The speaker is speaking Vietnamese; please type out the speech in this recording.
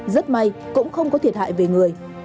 rất may cũng không có thiệt hại về người